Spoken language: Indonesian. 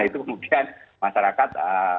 itu kemudian masyarakat